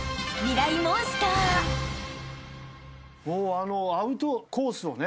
あのアウトコースをね